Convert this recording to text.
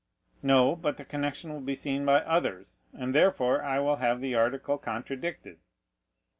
40100m "No; but the connection will be seen by others, and therefore I will have the article contradicted."